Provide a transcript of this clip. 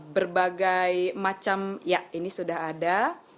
berbagai macam ya ini sudah ada